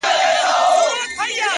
اخلاق د نوم تر شهرت ارزښتمن دي.!